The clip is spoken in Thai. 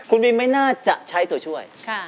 คุณวิมไม่น่าจะใช้ตัวช่วย